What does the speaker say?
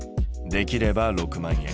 できれば６万円。